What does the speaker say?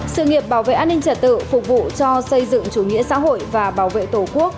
sự nghiệp bảo vệ an ninh trật tự phục vụ cho xây dựng chủ nghĩa xã hội và bảo vệ tổ quốc